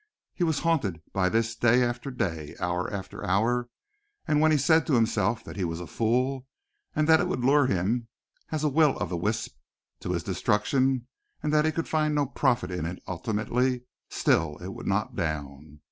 He was haunted by this, day after day, and hour after hour; and when he said to himself that he was a fool, and that it would lure him as a will o' the wisp to his destruction and that he could find no profit in it ultimately, still it would not down.